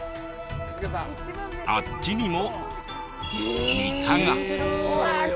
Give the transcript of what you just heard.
あっちにもイカが。